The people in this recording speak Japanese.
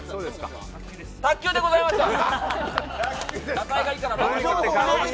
卓球でございました。